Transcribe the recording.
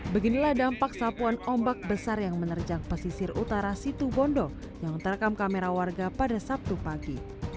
beginilah dampak sapuan ombak besar yang menerjang pesisir utara situbondo yang terekam kamera warga pada sabtu pagi